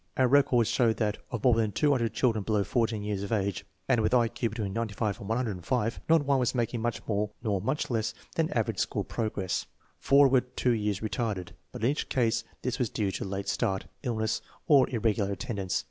Our records show that, of more than 200 children below 14 years of age and with I Q between 95 and 105, not one was making much more nor much less than average school progress. Four were two years retarded, but in each case this was due to late start, illness, or irregular attendance.